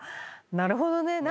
なるほどね。